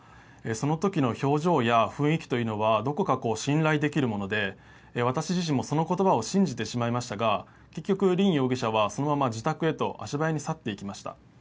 その時の表情や雰囲気というのはどこか信頼できるもので私自身もその言葉を信じてしまいましたが結局、凜容疑者はそのまま自宅へと足早に去っていきました。